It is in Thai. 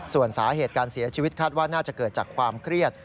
ส่วนสาเหตุการเสียชีวิตคาดว่าน่าจะเกิดจากความเครียด